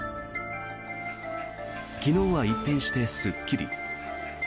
昨日は一変してすっきり。